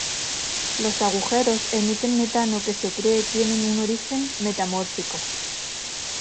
Los agujeros emiten metano que se cree tiene un origen metamórfico.